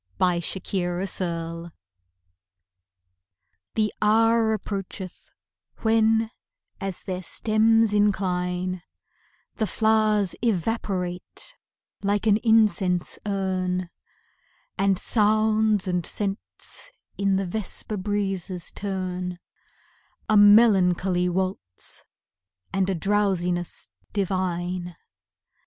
Evening Harmony The hour approacheth, when, as their stems incline, The flowers evaporate like an incense urn, And sounds and scents in the vesper breezes turn; A melancholy waltz and a drowsiness divine.